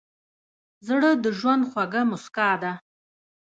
زړه د ژوند خوږه موسکا ده.